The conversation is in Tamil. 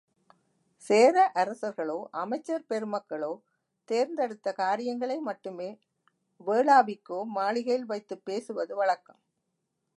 சேர அரசர்களோ, அமைச்சர் பெருமக்களோ தேர்ந்தெடுத்த காரியங்களை மட்டுமே வேளாவிக்கோ மாளிகையில் வைத்துப் பேசுவது வழக்கம்.